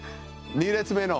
２列目の。